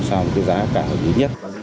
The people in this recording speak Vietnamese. sau giá cả hợp lý nhất